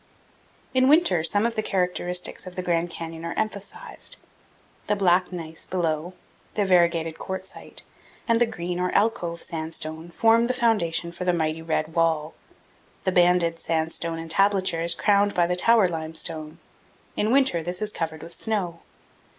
In winter some of the characteristics of the Grand Canyon are emphasized. The black gneiss below, the variegated quartzite, and the green or alcove sandstone form the foundation for the mighty red wall. The banded sandstone entablature is crowned by the tower limestone. In winter this is covered with snow.